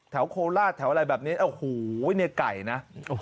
แถวโคลาแถวอะไรแบบนี้โอ้โหไอ้นี่ไก่นะ